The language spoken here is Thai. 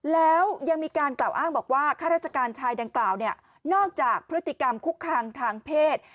แล้วยังมีการกล่าวอ้างบอกว่าข้าราชการชายดังกล่าวเนี่ยนอกจากพฤติกรรมคุกคามทางเพศ